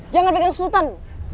jangan pegang sultan